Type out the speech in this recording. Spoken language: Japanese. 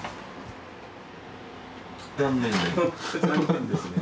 残念ですね。